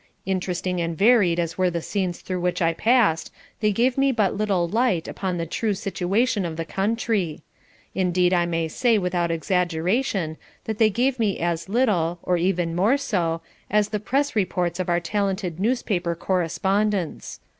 Interesting and varied as were the scenes through which I passed they gave me but little light upon the true situation of the country: indeed I may say without exaggeration that they gave me as little or even more so as the press reports of our talented newspaper correspondents.